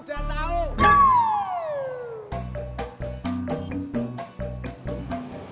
biar nanti aku nunggu